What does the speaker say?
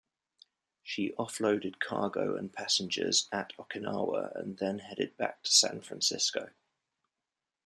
She off-loaded cargo and passengers at Okinawa and then headed back to San Francisco.